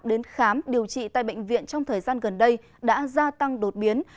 đến khám điều trị tại bệnh viện trong thời gian gần đây đã gia tăng đột biến